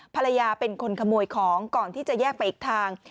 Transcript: ภรรยาเป็นคนขโมยของก่อนที่จะแยกไปอีกทาง